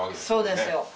そうですよ。